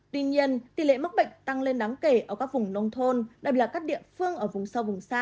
tuy nhiên tỷ lệ mắc bệnh tăng lên đáng kể ở các vùng nông thôn đặc biệt là các địa phương ở vùng sâu vùng xa